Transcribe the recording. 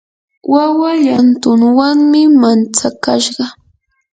wawa llantunwanmi mantsakashqa.